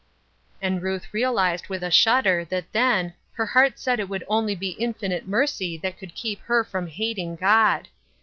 And Ruth realized with a shudder that then, her heart said it would only be infinite mercy that could keep her from hating God